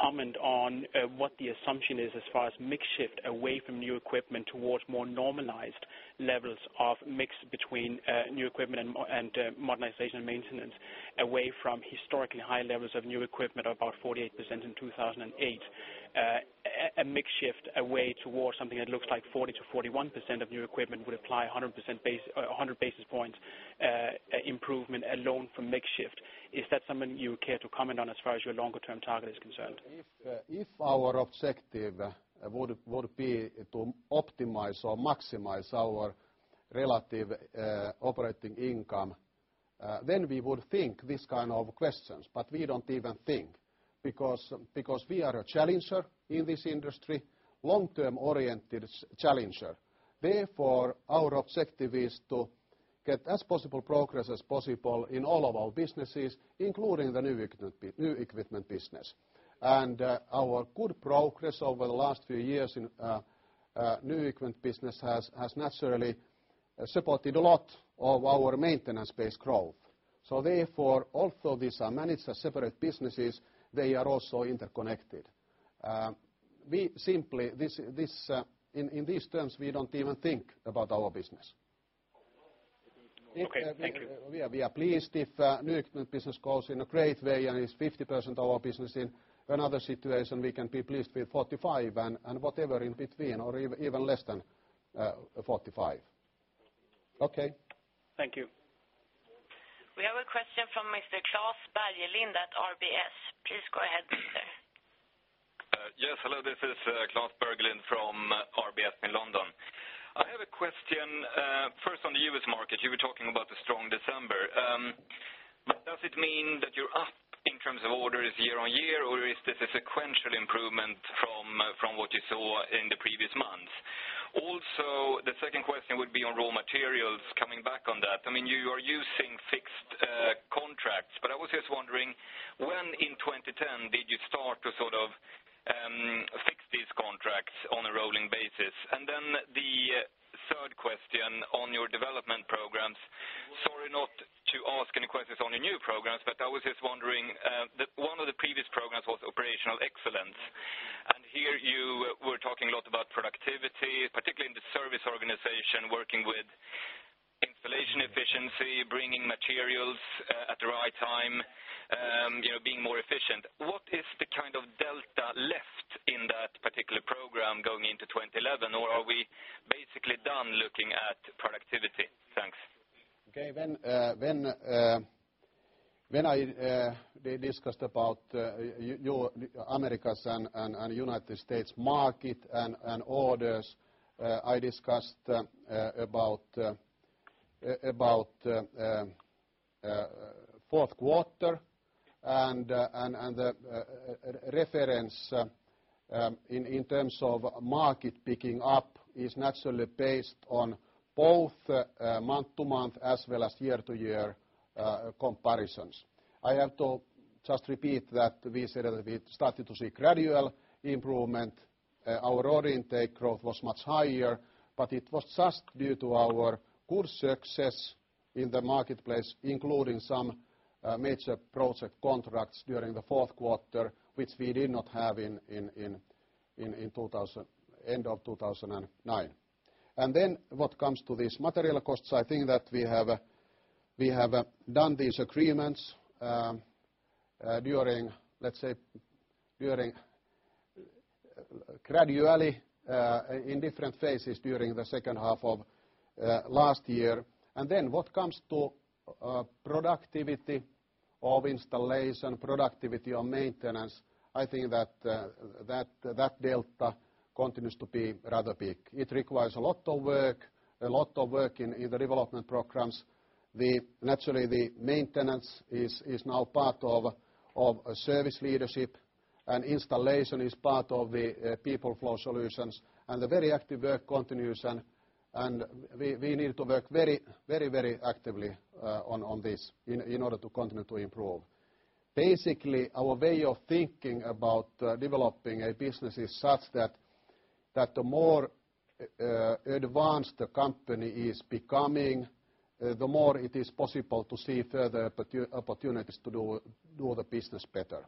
Speaker 12: comment on what the assumption is as far as mix shift away from new equipment towards more normalized levels of mix between new equipment and modernization and maintenance away from historically high levels of new equipment of about 48% in 2,008, a mix shift away towards something that looks like 40% to 41% of new equipment would apply 100 basis points improvement alone from mix shift. Is that something you care to comment on as far as your longer term target is concerned?
Speaker 2: If our objective would be to optimize or maximize our relative operating income, then we would think this kind of questions. But we don't even think because we are a challenger in this industry, long term oriented challenger. Therefore, our objective is to get as possible progress as possible in all of our businesses, including the new equipment business. And our good progress over the last few years in new equipment business has naturally supported a lot of our maintenance based growth. So therefore, although these are managed as separate businesses, they are also interconnected. We simply this in these terms, we don't even think about our business. We are pleased if Neutmann business goes in a great way and it's 50% of our business. In another situation, we can be pleased with 45% and whatever in between or even less than 45%. Okay.
Speaker 14: Thank you.
Speaker 8: We have a question from Mr. Klas Bergelind at RBS. Please go ahead, please sir.
Speaker 10: Yes. This is Klas Bergelin from RBS in London. I have a question first on the U. S. Market. You were talking about the strong December. But does it mean that you're up in terms of orders year on year? Or is this a sequential improvement from what you saw in the previous months? Also, the second question would be on raw materials coming back on that. I mean, you are using fixed contracts, but I was just wondering when in 2010 did you start to sort of fix these contracts on a rolling basis? And then the third question on your development programs. Sorry not to ask any questions on your new programs, but I was just wondering that one of the previous programs was operational excellence. And here, you were talking a lot about productivity, particularly in the service organization, working with installation efficiency, bringing materials at the right time, being more efficient. What is the kind of delta left in that particular program going into 2011? Or are we basically done looking at productivity? Thanks.
Speaker 12: Okay.
Speaker 2: When I discussed about your Americas and United States market and orders, I discussed about 4th quarter And the reference in terms of market picking up is naturally based on both month to month as well as year to year comparisons. I have to just repeat that we started to see gradual improvement. Our order intake growth was much higher, but it was just due to our good success in the marketplace, including some major project contracts during the Q4, which we did not have in 2,000 end of 2,009. And then what comes to these material costs, I think that we have done these agreements during, let's say, during gradually in different phases during the second half of last year. And then what comes to productivity of installation, productivity of maintenance, I think that, that delta continues to be rather big. It requires a lot of work, a lot of work in the development programs. The naturally, the maintenance is now part of service leadership, and installation is part of the People Flow Solutions. And the very active work continues, And we need to work very, very actively on this in order to continue to improve. Basically, our way of thinking about developing a business is such that the more advanced the company is becoming, the more it is possible to see further opportunities to do the business better.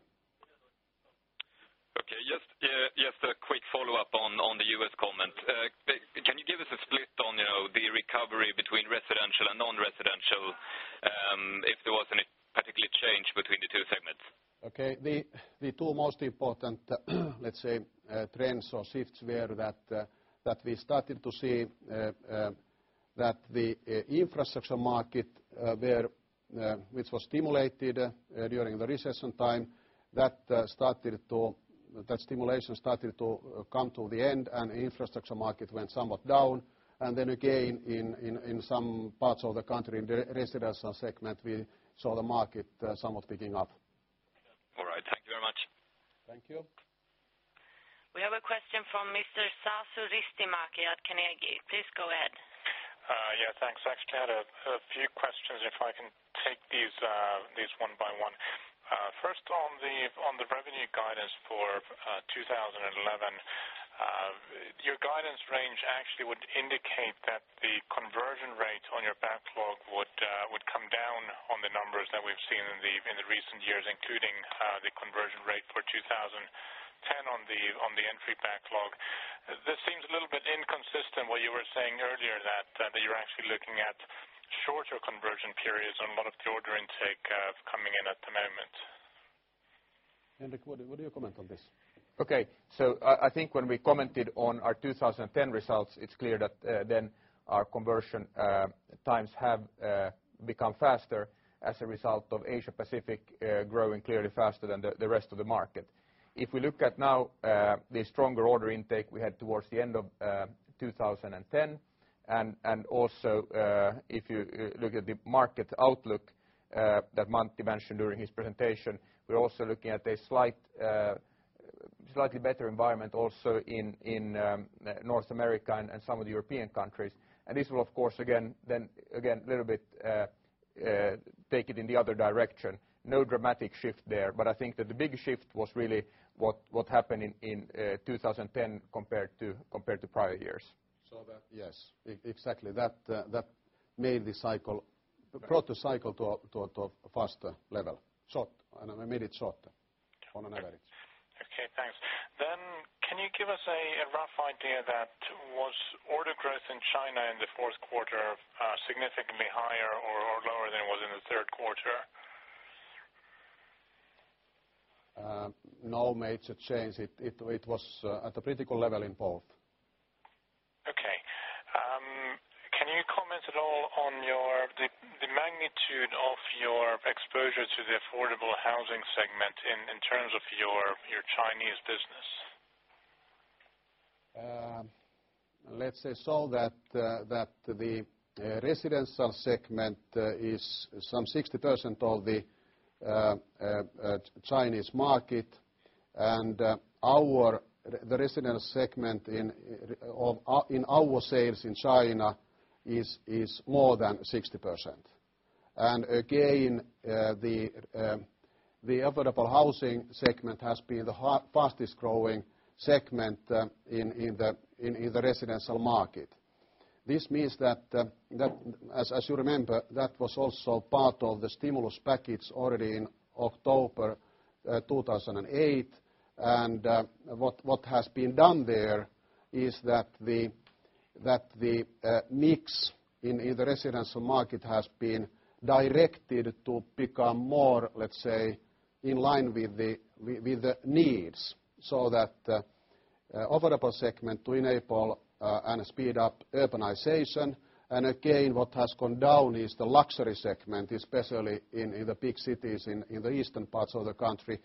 Speaker 10: Okay. Just a quick follow-up on the U. S. Comment. Can you give us a split on the recovery between residential and nonresidential if there was any particular change between the two segments?
Speaker 2: Okay. The 2 most important, let's say, trends or shifts were that we started to see that the infrastructure market where which was stimulated during the recession time, that started to that stimulation started to come to the end, and infrastructure market went somewhat down. And then again, in some parts of the country, in the residential segment, we saw the market somewhat picking up.
Speaker 8: We have a question from Mr. Sasu Ristimaki at Carnegie. Please go ahead.
Speaker 11: Yes, thanks. Actually, I had a few questions, if I can take these 1 by 1. First on the revenue guidance for 2011, your guidance range actually would indicate that the conversion rate on your backlog would come down on the numbers that we've seen in the recent years, including the conversion rate for 2010 on the entry backlog. This seems a little bit inconsistent what you were saying earlier that you're looking at shorter conversion periods on a lot of the order intake coming in at
Speaker 2: the moment. Henrik, what do you comment on this?
Speaker 4: Okay. So I think when we commented on our 2010 results, it's clear that then our conversion times have become faster as a result of Asia Pacific growing clearly faster than the rest of the market. If we look at now the stronger order intake we had towards the end of 2010. And also, if you look at the market outlook that Monty mentioned during his presentation, we're also looking at a slightly better environment also in North America and some of the European countries. And this will, of course, again then again a little bit take it in the other direction. No dramatic shift there. But I think that the big shift was really what happened in 2010 compared to prior years.
Speaker 11: So that
Speaker 2: yes, exactly. That made the cycle brought the cycle to a faster level. Short and I made it shorter.
Speaker 11: Okay. Then can you give us a rough idea that was order growth in China in the 4th quarter significantly higher or lower than it was in the 3rd quarter?
Speaker 2: No major change. It was at a critical level in both.
Speaker 11: Okay. Can you comment at all on your the magnitude of your exposure to the affordable housing segment in terms of your Chinese business?
Speaker 2: Segment is some 60% of the Chinese market. And our the residential segment in our sales in China is more than 60%. And again, the affordable housing segment has been the fastest growing segment in the residential market. This means that, as you remember, that was also part of the stimulus package already in October 2008. And what has been done there is that the mix in the residential market has been directed to become more, let's say, in line with the needs so that the Operable segment to enable and speed up urbanization. And again, what has gone down is the luxury segment, especially in the big cities in the eastern parts of the country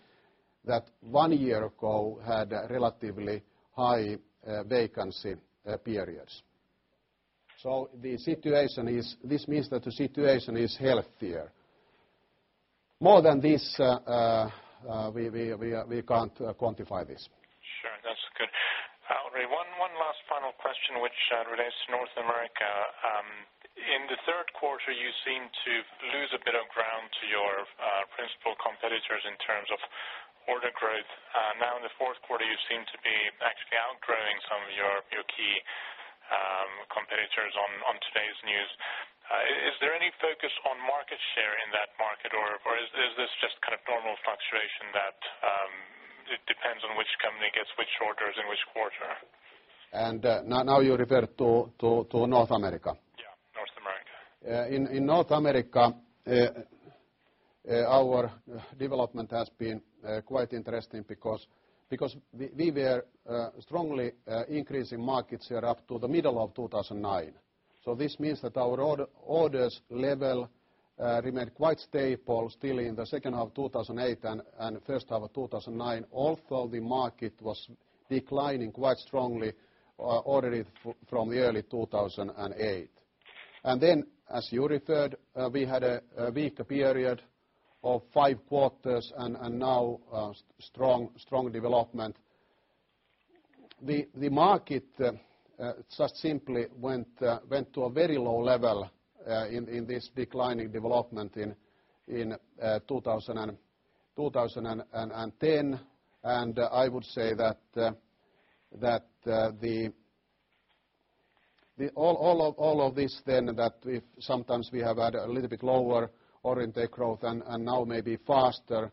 Speaker 2: that 1 year ago had relatively high vacancy periods. So the situation is this means that the situation is healthier. More than this, we can't quantify this.
Speaker 11: Sure. That's good. Henri, one last final question, which relates to North America. In the Q3, you seem to lose a bit of ground to your principal competitors in terms of order growth. Now in the Q4, you seem to be actually outgrowing some of your key competitors on today's news. Is there any focus on market share in that market? Or is this just kind of normal fluctuation that it depends on which company gets which orders in which quarter?
Speaker 2: And now you refer to North America.
Speaker 11: Yes, Yes, North America.
Speaker 2: In North America, our development has been quite interesting because we were strongly increasing market share up to the middle of 2,009. So this means that our orders level remained quite stable still in the second half two thousand and eight and first half of two thousand and nine, although the market was declining quite strongly already from early 2,008. And then as you referred, we had a weaker period of 5 quarters and now strong development. The market just simply went to a very low level in this declining development in 2010. And I would say that the all of this then that sometimes we have had a little bit lower Oriente growth and now maybe faster,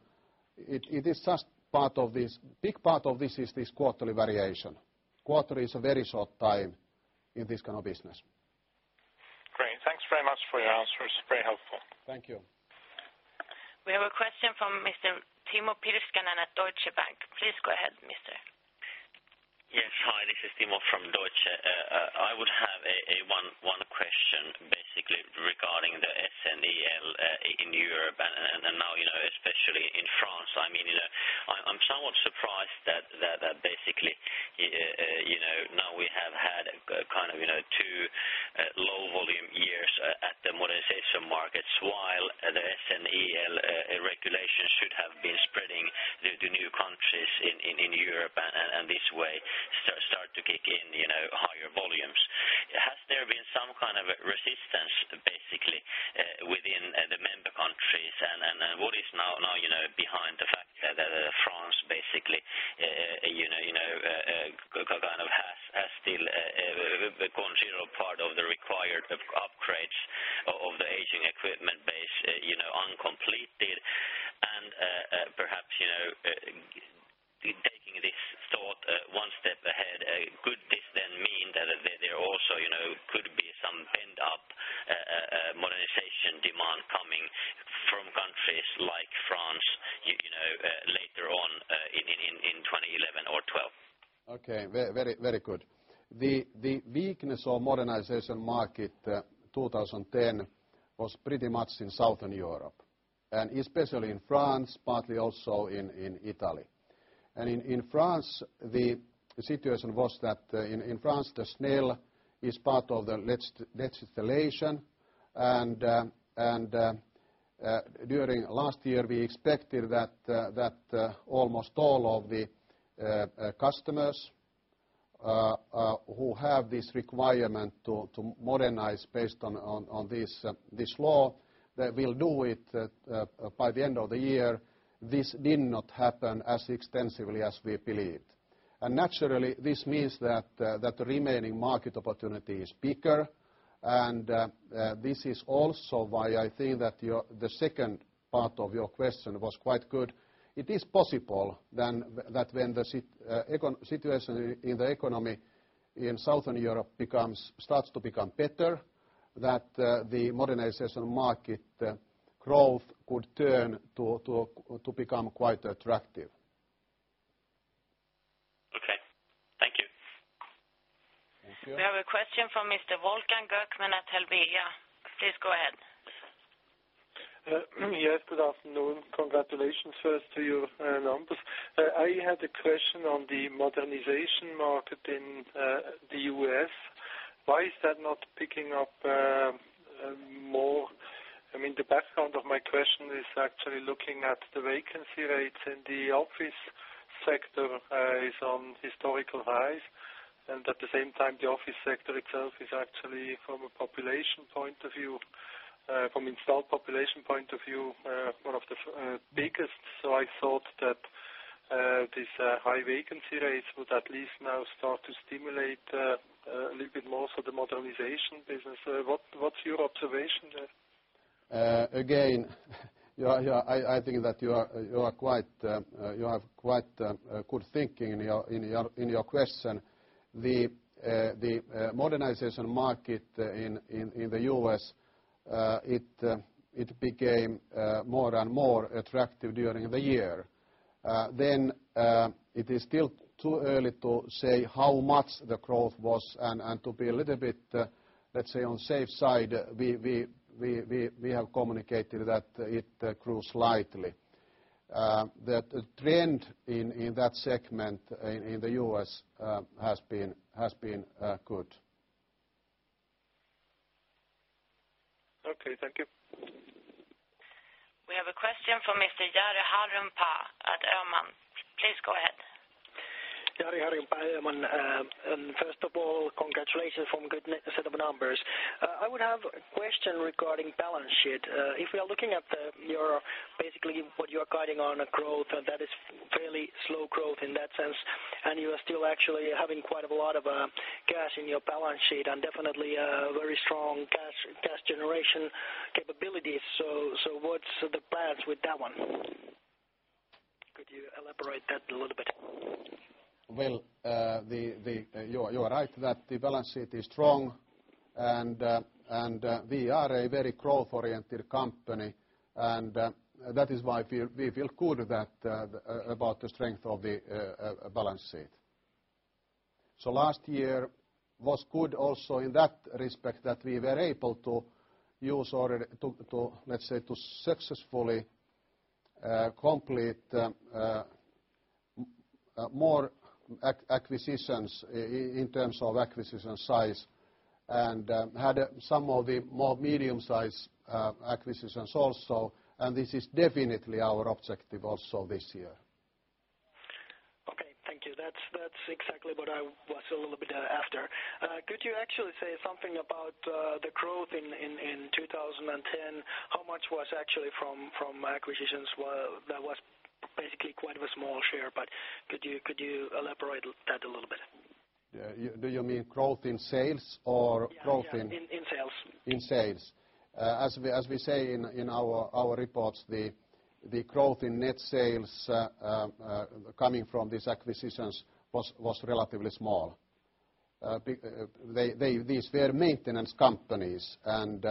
Speaker 2: It is just part of this big part of this is this quarterly variation. Quarter is a very short time in this kind of business.
Speaker 11: Great. Thanks very much for your answers. Very helpful.
Speaker 2: Thank you.
Speaker 8: We have a question from Mr. Timo Pilskanen at Deutsche Bank. Please go ahead, Mr.
Speaker 13: Yes. Hi. This is Timo from Deutsche. I would have a one question basically regarding the SNEL in Europe and now especially in France. I mean, I'm somewhat surprised that basically now we have had kind of 2 low volume years at the modernization markets while the SNEL regulations should have been spreading to new countries in some kind of resistance basically within the member countries? And what is now behind the fact that France basically kind of has still gone zero part of the required upgrades of the aging equipment base uncompleted? And perhaps taking this thought one step ahead, could this then mean that there also could be some pent up modernization demand coming from countries like France later on in 2011 or 'twelve?
Speaker 2: Okay. Very good. The weakness of modernization market 2010 was pretty much in Southern Europe and especially in France, partly also in Italy. And in France, the situation was that in France, the SNL is part of the legislation. And during last year, we expected that almost all of the customers who have this requirement to modernize based on this law, they will do it by the end of the year. This did not happen as extensively as we believed. And naturally, this means that the remaining market opportunity is bigger. And this is also why I think that your the second part of your question was quite good. It is possible then that when the situation in the economy in Southern Europe becomes starts to become better, that the modernization market growth could turn to become quite attractive.
Speaker 13: Okay. Thank you. We have
Speaker 8: a question from Mr. Volcan Gerkman at Helvea. Please go ahead.
Speaker 15: Yes, good afternoon. Congratulations I had a question on the modernization market in the U. S. Why is that not picking up more? I mean, the background of my question is actually looking at the vacancy rates in the office sector is on historical rise. And at the same time, the office sector itself is actually from a population point of view, from installed population point of view, one of the biggest. So I thought that this high vacancy rates would at least now start to stimulate a little bit more for the modernization business. What's your observation there?
Speaker 2: Again, I think that you are quite you have quite good thinking in your question. The modernization market in the U. S, it became more and more attractive during the year. Then it is still too early to say how much the growth was And to be a little bit, let's say, on safe side, we have communicated that it grew slightly. The trend in that segment in the U. S. Has been good.
Speaker 15: Okay. Thank you.
Speaker 8: We have a question from Mr. Jari Harun Pa at Erman. Please go ahead.
Speaker 16: Jarrod Harned Paa, elman. First of all, congratulations on good set of numbers. I would have a question regarding balance sheet. If we are looking at your basically what you're guiding on growth, that is fairly slow growth in that sense. And you are still actually having quite a lot of cash in your balance sheet and definitely very strong cash generation capability. So what's the plans with that one? Could you elaborate that a little bit?
Speaker 2: Well, the you're right that the balance sheet is strong, and we are a very growth oriented company. And that is why we feel good about the strength of the balance sheet. So last year was good also in that respect that we were able to use or to, let's say, to successfully complete more acquisitions in terms of acquisition size and had some of the more medium sized acquisitions also. And this is definitely our objective also this year.
Speaker 16: Okay. That's exactly what I was a little bit after. Could you actually say something about the growth in 2010? How much was actually from acquisitions? That was basically quite a small share, but could you elaborate that a little bit?
Speaker 2: Yes. Do you mean growth in sales or growth in
Speaker 16: In sales.
Speaker 2: In sales. As we say in our reports, the growth in net sales coming from these acquisitions was relatively small. These were maintenance companies. And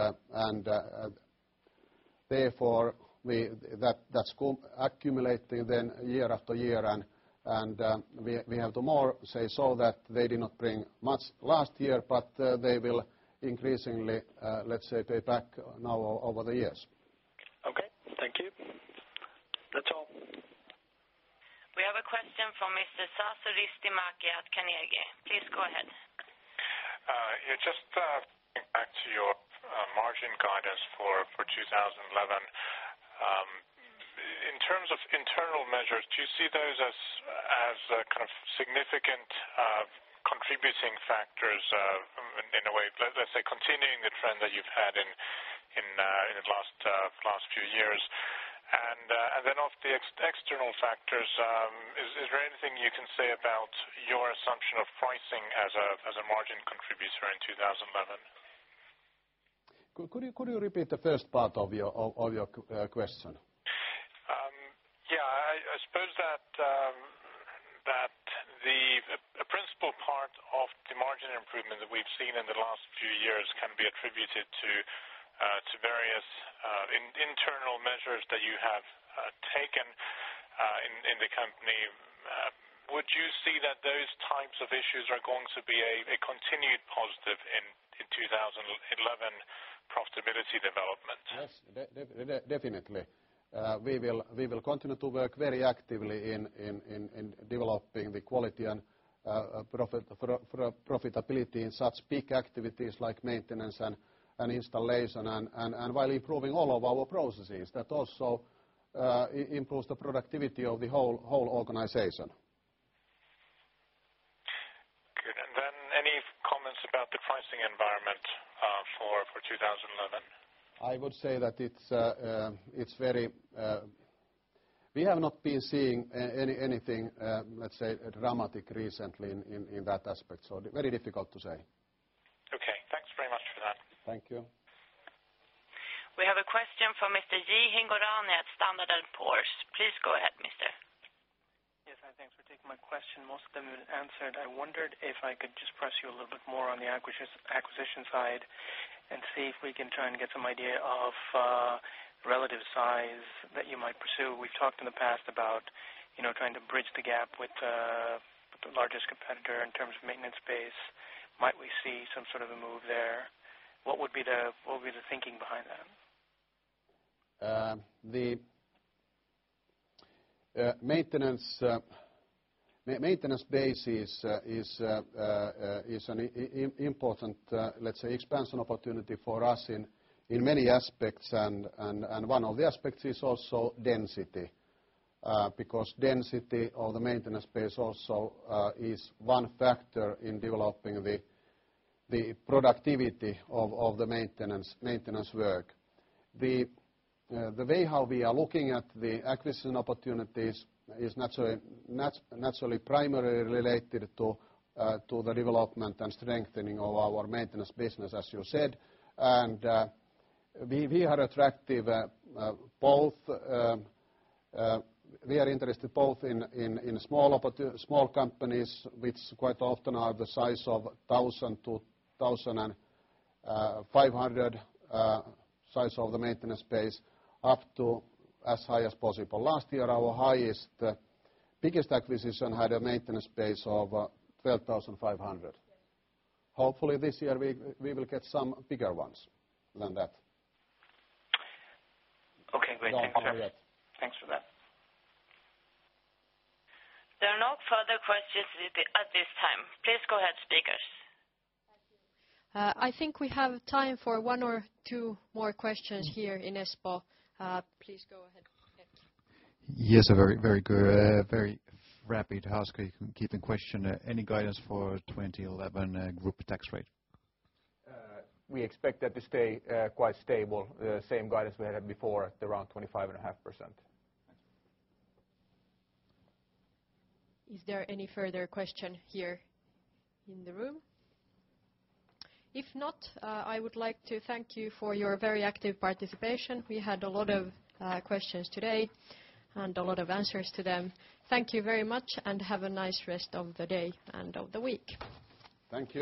Speaker 2: therefore, that's accumulating then year after year. And we have to more say so that they did not bring much last year, but they will increasingly, let's say, pay back now over the years.
Speaker 11: Okay. Thank you. That's all.
Speaker 8: We have a question from Mr. Sasolisti Macchi at Carnegie. Please go ahead.
Speaker 11: Just back to your margin guidance for 2011. In terms of internal measures, do you see those as kind of significant contributing factors in a way, let's say, continuing the trend that you've had in the last few years? And then of the external factors, is there anything you can say about your assumption of pricing as a margin contributor in 2011?
Speaker 2: Could you repeat the first part of your question?
Speaker 11: Yes. I suppose that the principal part of the margin improvement that we've seen in the last few years can be attributed to various internal measures that you have taken in the company. Would you see that those types of issues are going to be a continued positive in 2011 profitability development?
Speaker 2: Yes, definitely. We will continue to work very actively in developing the quality and profitability in such big activities like maintenance and installation and while improving all of our processes that also improves the productivity of the whole
Speaker 11: organization. Good. And then any comments about the pricing environment for 2011?
Speaker 2: I would say that it's very we have not been seeing anything, let's say, dramatic recently in that aspect. So very difficult to say.
Speaker 8: We have a question from Mr. Zvi Hingorani at Standard and Poor's. Please go ahead, Mr.
Speaker 14: Yes. Hi. Thanks for taking my question. Most of them have been answered. I wondered if I could just press you a little bit more on the acquisition side and see if we can try and get some idea of relative size that you might pursue. We've talked in the past about trying to bridge the gap with the largest competitor in terms of maintenance base. Might we see some sort of a move there? What would be the thinking behind that?
Speaker 2: Maintenance base is an important, let's say, expansion opportunity for us in many aspects. And one of the aspects is also density because density of the maintenance space also is one factor in developing the productivity of the maintenance work. The way how we are looking at the acquisition opportunities is naturally primarily related to the development and strengthening of our maintenance business, as you said. And we are attractive both we are interested both in small companies, which quite often are the size of 1,000 to 1,500 size of the maintenance base up to as high as possible. Last year, our highest biggest acquisition had a maintenance base of 12,500. Hopefully, this year, we will get some bigger ones than that.
Speaker 8: Okay, great. Thanks, sir. Thanks for that. There are no further questions at this time. Please go ahead, speakers.
Speaker 1: I think we have time for 1 or 2 more questions here in Espoo. Please go ahead.
Speaker 3: Yes. Very good, very rapid housekeeping question. Any guidance for 2011 group tax rate?
Speaker 4: We expect that to stay quite stable, same guidance we had before at around 25.5%.
Speaker 1: Is there any further question here in the room? If not, I would like to thank you for your very active participation. We had a lot of questions today and a lot of answers to them. Thank you very much, and have a nice rest of the day and of the week.
Speaker 2: Thank you.